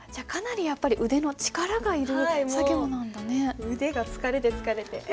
もう腕が疲れて疲れて。